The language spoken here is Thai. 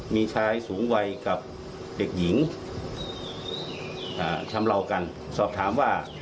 มีชายสูงวัยกับเด็กหญิงชำเลากันสอบถามว่า